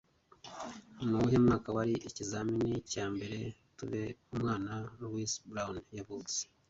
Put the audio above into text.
Nuwuhe mwaka Wari Ikizamini Cyambere Tube Umwana Louise Brown Yavutse